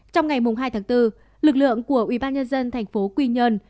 trong ngày hai bốn lực lượng của ubnd tp quy nhân